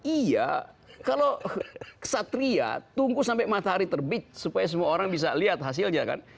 iya kalau kesatria tunggu sampai matahari terbit supaya semua orang bisa lihat hasilnya kan